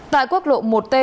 tại quốc lộ một t